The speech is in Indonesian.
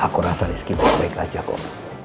aku rasa rizky bukan baik aja kok